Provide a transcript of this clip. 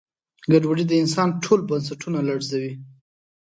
ګډوډي د انسان ټول بنسټونه لړزوي.